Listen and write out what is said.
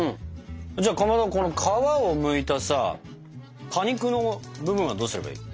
じゃあかまどこの皮をむいたさ果肉の部分はどうすればいいの？